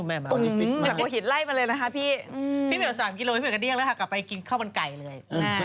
พี่เบียว๓กิโลเมตรพี่เบียวกระเดี้ยงแล้วค่ะกลับไปกินข้าวมันไก่เลย